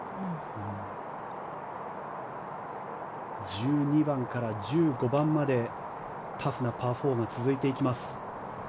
１２番から１５番までタフなパー４が続いていきます。